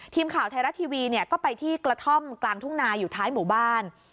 ทีมข่าวไทยรัฐทีวีเนี่ยก็ไปที่กระท่อมกลางทุ่งนาอยู่ท้ายหมู่บ้าน